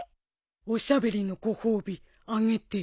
おしゃべりのご褒美あげて。